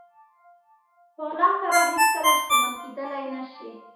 په غلا سره هېڅکله شتمن کېدلی نه شئ.